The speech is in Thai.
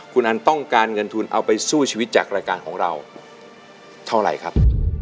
คุณอันต้องการเงินทุนเอาไปสู้ชีวิตจากรายการของเราเท่าไหร่ครับ